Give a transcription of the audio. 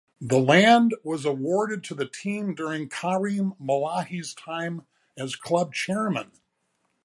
The land was awarded to the team during Karim Malahi's time as club chairman.